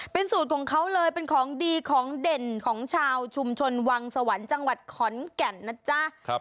เป็นสูตรของเขาเลยเป็นของดีของเด่นของชาวชุมชนวังสวรรค์จังหวัดขอนแก่นนะจ๊ะ